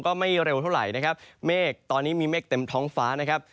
ไม่เร็วเท่าไหร่นะครับเมฆตอนนี้มีเมฆเต็มท้องฟ้านะครับ